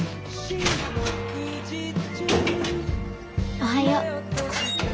おはよう。